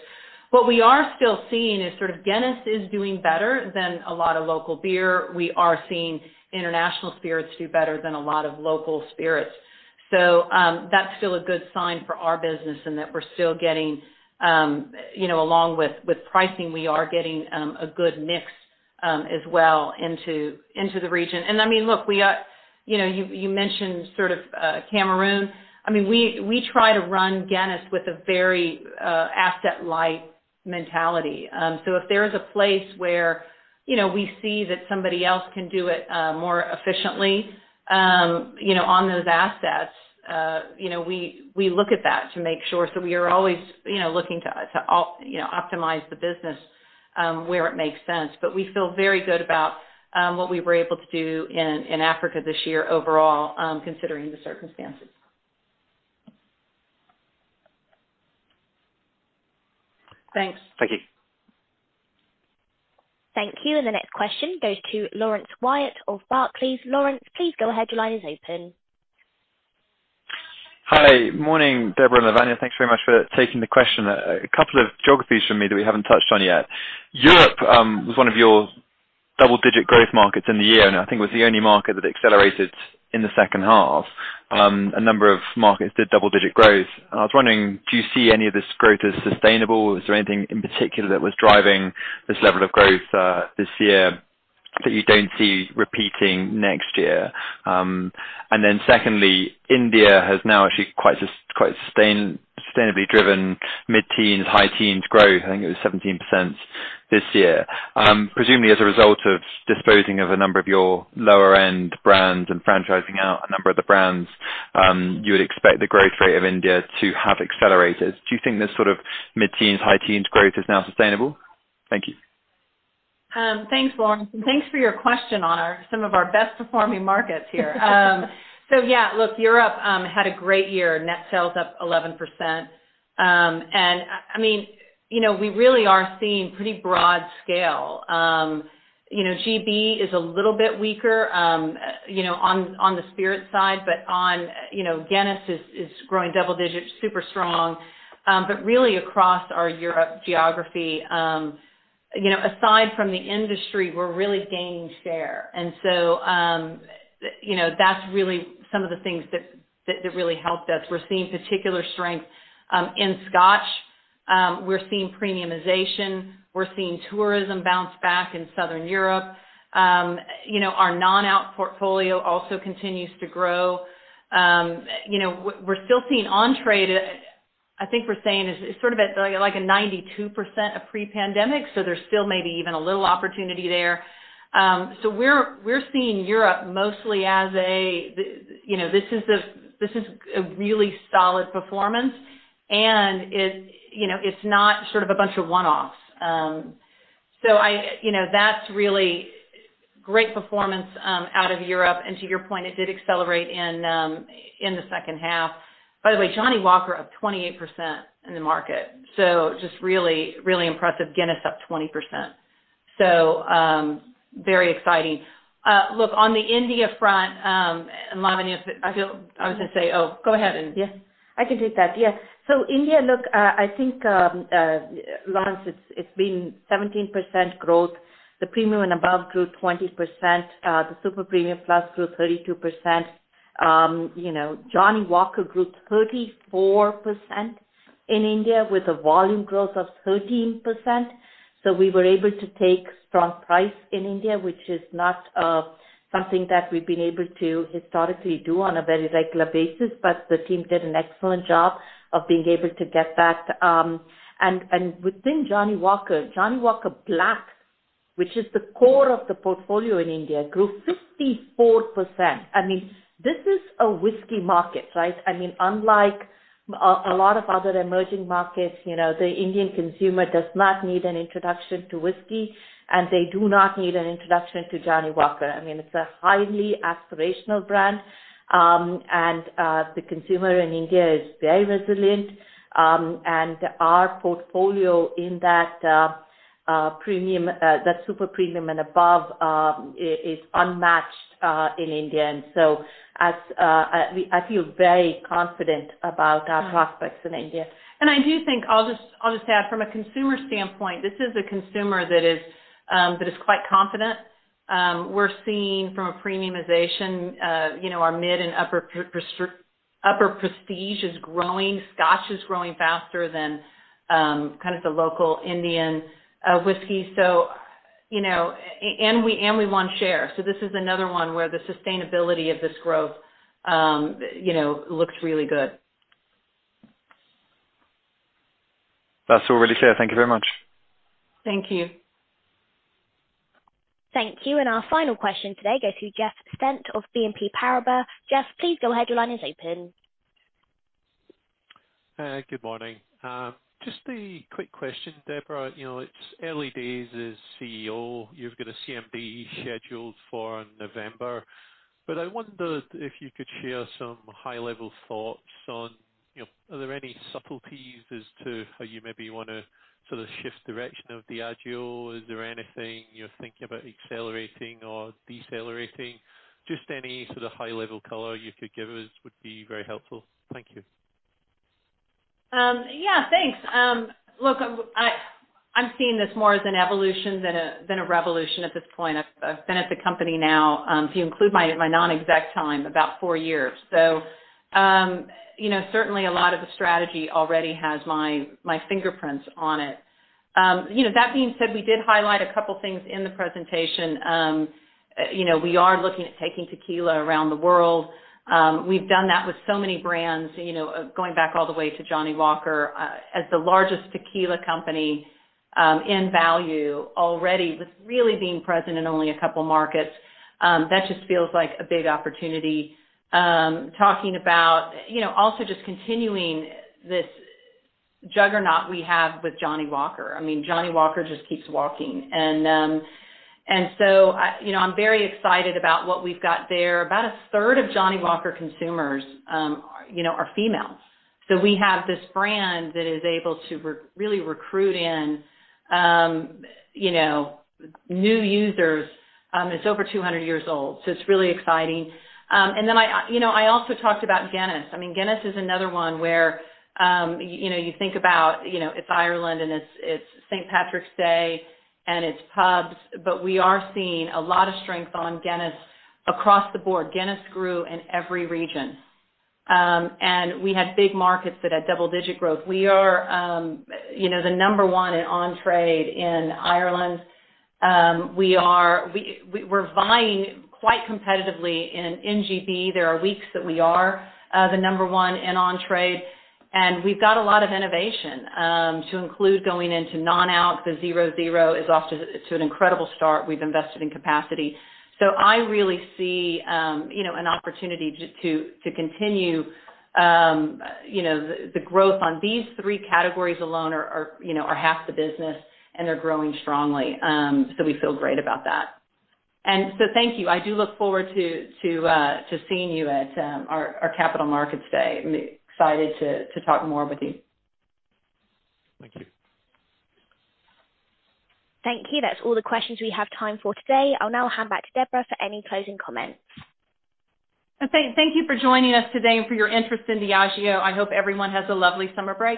What we are still seeing is sort of Guinness is doing better than a lot of local beer. We are seeing international spirits do better than a lot of local spirits. That's still a good sign for our business, and that we're still getting, you know, along with, with pricing, we are getting a good mix as well into, into the region. I mean, look, we are, you know, you, you mentioned sort of, Cameroon. I mean, we, we try to run Guinness with a very, asset-light mentality. If there is a place where, you know, we see that somebody else can do it, more efficiently, you know, on those assets, you know, we, we look at that to make sure. We are always, you know, looking to, to, you know, optimize the business, where it makes sense. We feel very good about, what we were able to do in, in Africa this year overall, considering the circumstances. Thanks. Thank you. Thank you. The next question goes to Laurence Whyatt of Barclays. Laurence, please go ahead. Your line is open. Hi. Morning, Debra and Lavanya. Thanks very much for taking the question. A couple of geographies for me that we haven't touched on yet. Europe was one of your double-digit growth markets in the year, and I think it was the only market that accelerated in the second half. A number of markets did double-digit growth, and I was wondering, do you see any of this growth as sustainable? Is there anything in particular that was driving this level of growth this year, that you don't see repeating next year? Then secondly, India has now actually quite sustainably driven mid-teens, high teens growth. I think it was 17% this year. Presumably as a result of disposing of a number of your lower-end brands and franchising out a number of the brands, you would expect the growth rate of India to have accelerated. Do you think this sort of mid-teens, high teens growth is now sustainable? Thank you. Thanks, Laurence, and thanks for your question on our, some of our best performing markets here. Yeah, look, Europe had a great year. Net sales up 11%. I mean, you know, we really are seeing pretty broad scale. You know, GB is a little bit weaker, you know, on, on the spirits side, but on, you know, Guinness is, is growing double digits, super strong. Really across our Europe geography, you know, aside from the industry, we're really gaining share. You know, that's really some of the things that, that, that really helped us. We're seeing particular strength in Scotch. We're seeing premiumization. We're seeing tourism bounce back in Southern Europe. You know, our non-alc portfolio also continues to grow. You know, we're still seeing on-trade, I think we're saying is sort of at like a 92% of pre-pandemic, so there's still maybe even a little opportunity there. So we're, we're seeing Europe mostly as a, you know, this is a, this is a really solid performance, and it, you know, it's not sort of a bunch of one-offs. So I, you know, that's really great performance out of Europe. To your point, it did accelerate in the second half. By the way, Johnnie Walker, up 28% in the market, so just really, really impressive. Guinness, up 20%. Very exciting. Look, on the India front, and Lavanya, I was gonna say... Oh, go ahead. I can take that. Yeah. India, look, I think, Laurence, it's, it's been 17% growth. The premium and above grew 20%, the super premium plus grew 32%. You know, Johnnie Walker grew 34% in India, with a volume growth of 13%. We were able to take strong price in India, which is not something that we've been able to historically do on a very regular basis. The team did an excellent job of being able to get that. And within Johnnie Walker, Johnnie Walker Black, which is the core of the portfolio in India, grew 54%! I mean, this is a whiskey market, right? I mean, unlike a lot of other emerging markets, you know, the Indian consumer does not need an introduction to whiskey, and they do not need an introduction to Johnnie Walker. I mean, it's a highly aspirational brand. The consumer in India is very resilient. Our portfolio in that premium, that super premium and above, is unmatched in India. So as I feel very confident about our prospects in India. I do think, I'll just, I'll just add from a consumer standpoint, this is a consumer that is quite confident. We're seeing from a premiumization, you know, our mid and upper, upper prestige is growing. Scotch is growing faster than kind of the local Indian whiskey. You know, and we, and we won share. This is another one where the sustainability of this growth, you know, looks really good. That's all really clear. Thank you very much. Thank you. Thank you. Our final question today goes to Jeff Stent of BNP Paribas. Jeff, please go ahead. Your line is open. Good morning. Just a quick question, Debra Crew. You know, it's early days as CEO. You've got a CMD scheduled for November. I wonder if you could share some high-level thoughts on, you know, are there any subtleties as to how you maybe wanna sort of shift direction of Diageo? Is there anything you're thinking about accelerating or decelerating? Just any sort of high-level color you could give us would be very helpful. Thank you. Yeah, thanks. Look, I, I'm seeing this more as an evolution than a, than a revolution at this point. I've, I've been at the company now, if you include my, my non-exec time, about four years. You know, certainly a lot of the strategy already has my, my fingerprints on it. You know, that being said, we did highlight a couple things in the presentation. You know, we are looking at taking tequila around the world. We've done that with so many brands, you know, going back all the way to Johnnie Walker. As the largest tequila company, in value already, with really being present in only a couple markets, that just feels like a big opportunity. Talking about, you know, also just continuing this juggernaut we have with Johnnie Walker. I mean, Johnnie Walker just keeps walking. I, you know, I'm very excited about what we've got there. About a third of Johnnie Walker consumers, you know, are females. We have this brand that is able to really recruit in, you know, new users. It's over 200 years old, so it's really exciting. I, you know, I also talked about Guinness. I mean, Guinness is another one where, you know, you think about, you know, it's Ireland, and it's, it's St. Patrick's Day, and it's pubs, but we are seeing a lot of strength on Guinness across the board. Guinness grew in every region. We had big markets that had double-digit growth. We are, you know, the number 1 in on-trade in Ireland. We are, we, we're vying quite competitively in, in GB. There are weeks that we are the number one in on-trade, and we've got a lot of innovation to include going into non-alcs. The Guinness 0.0 is off to, to an incredible start. We've invested in capacity. I really see, you know, an opportunity to, to, to continue, you know, the, the growth on these three categories alone are, are, you know, are half the business, and they're growing strongly. We feel great about that. Thank you. I do look forward to, to seeing you at our Capital Markets Day. I'm excited to, to talk more with you. Thank you. Thank you. That's all the questions we have time for today. I'll now hand back to Debra for any closing comments. Okay, thank you for joining us today and for your interest in Diageo. I hope everyone has a lovely summer break.